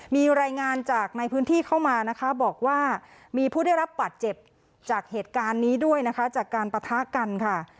มีรายงานจากในพื้นที่เข้ามานะคะบอกว่ามีผู้ได้รับบัตรเจ็บจากเหตุการณ์นี้ด้วยนะคะจากการปะทะกันค่ะ